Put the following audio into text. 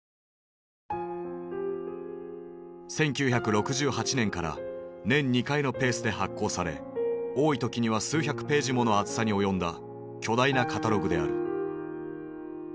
１９６８年から年２回のペースで発行され多い時には数百ページもの厚さに及んだ巨大なカタログである。